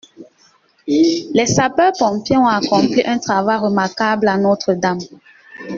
Les sapeurs-pompiers ont accompli un travail remarquable à Notre-Dame.